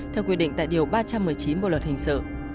theo quy định tại điều ba trăm một mươi chín bộ luật hình sự